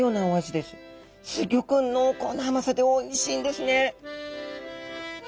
濃厚な甘さでおいしいんですね。